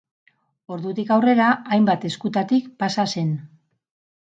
Ordutik aurrera hainbat eskutatik pasa zen.